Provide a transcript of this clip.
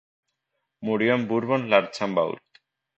Murió en Bourbon-l'Archambault.